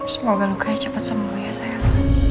semoga lukanya cepat sembuh ya sayang